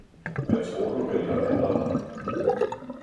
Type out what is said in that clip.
Hvad tror du vel, der venter dig?